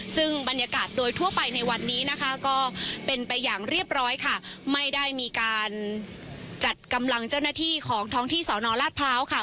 ซึ่งบรรยากาศโดยทั่วไปในวันนี้นะคะก็เป็นไปอย่างเรียบร้อยค่ะไม่ได้มีการจัดกำลังเจ้าหน้าที่ของท้องที่สอนอราชพร้าวค่ะ